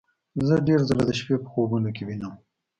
زه ډیر ځله د شپې په خوبونو کې وینم